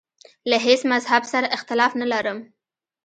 له هیڅ مذهب سره اختلاف نه لرم.